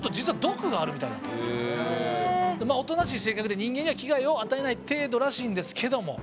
まおとなしい性格で人間には危害を与えない程度らしいんですけども。